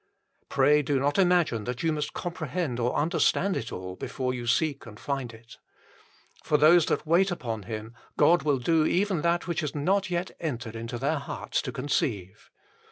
Pray do not imagine that you must comprehend or under stand it all before you seek and find it. For those that wait upon Him God will do even that which has not yet entered into their heart to conceive.